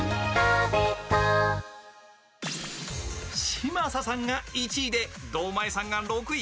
嶋佐さんが１位で堂前さんが６位。